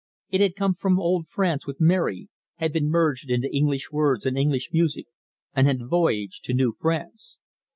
It had come from old France with Mary, had been merged into English words and English music, and had voyaged to New France.